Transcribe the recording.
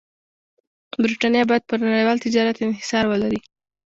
برېټانیا باید پر نړیوال تجارت انحصار ولري.